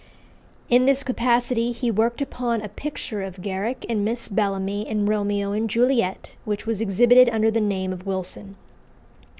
In this capacity he worked upon a picture of Garrick and Miss Bellamy in "Romeo and Juliet," which was exhibited under the name of Wilson.